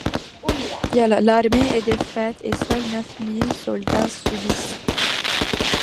L'armée est défaite, et seuls neuf mille soldats subsistent.